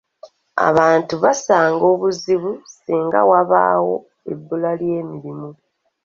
Abantu basanga obuzibu ssinga wabaawo ebbula ly’emirimu.